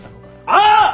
ああ！